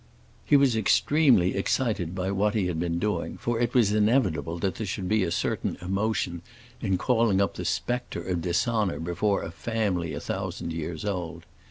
He was extremely excited by what he had been doing, for it was inevitable that there should be a certain emotion in calling up the spectre of dishonor before a family a thousand years old.